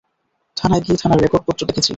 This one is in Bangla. থানায় গিয়ে থানার রেকর্ডপত্র দেখেছি।